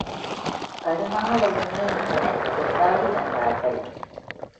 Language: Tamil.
கருணாலயனே யெனக் கொண்டாடி வந்தார்கள்.